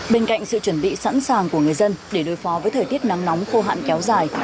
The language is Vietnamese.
bên cạnh sự chuẩn bị sẵn sàng của người dân để đối phó với thời tiết nắng nóng khô hạn kéo dài